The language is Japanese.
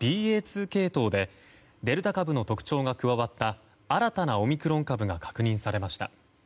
２系統でデルタ株の特徴が加わった新たなオミクロン株が確認されました。